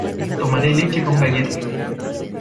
Tomaré leche con galletas.